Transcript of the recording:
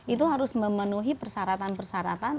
itu harus memenuhi persyaratan persyaratan